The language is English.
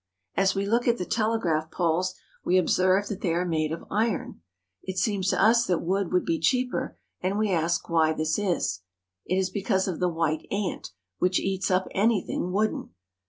As we look at the telegraph poles, we observe that they are made of iron. It seems to us that wood would be cheaper, and we ask why this is. It is because of the white ant, which eats up anything wooden.